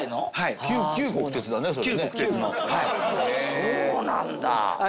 そうなんだ。